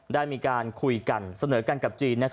ได้มีการคุยกันเสนอกันกับจีน